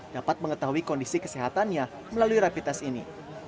dapat mengetahui kondisi kesehatannya melalui rapi tes ini